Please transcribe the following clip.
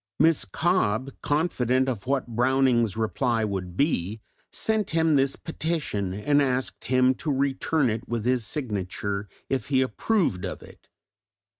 Miss Cobbe, confident of what Browning's reply would be, sent him this petition and asked him to return it with his signature if he approved of it.